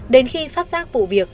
đến khi phát giác vụ việc